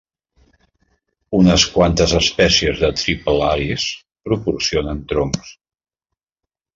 Unes quantes espècies de triplaris proporcionen troncs.